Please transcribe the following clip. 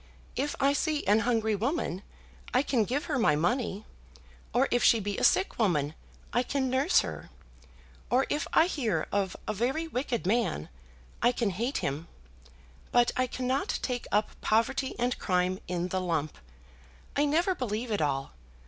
If I see an hungry woman, I can give her my money; or if she be a sick woman, I can nurse her; or if I hear of a very wicked man, I can hate him; but I cannot take up poverty and crime in the lump. I never believe it all.